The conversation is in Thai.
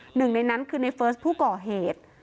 หนึ่งในนั้นคือในเฟิร์สผู้ก่อเหตุ